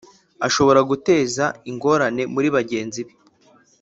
Ashobora guteza ingorane muri bagenzi be